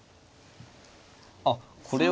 あっこれは。